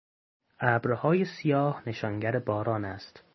ابرهای سیاه نشانگر باران است.